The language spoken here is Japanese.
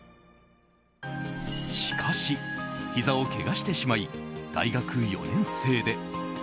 しかし、ひざをけがしてしまい大学４年生で。